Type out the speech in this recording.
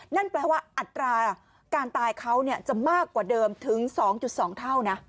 นั่นแปลว่าอัตราการตายเขาจะมากกว่าเดิมถึง๒๒เท่านะ